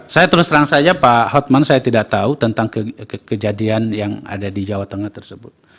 saya terus terang saja pak hotman saya tidak tahu tentang kejadian yang ada di jawa tengah tersebut